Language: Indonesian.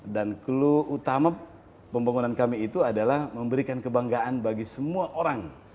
dan clue utama pembangunan kami itu adalah memberikan kebanggaan bagi semua orang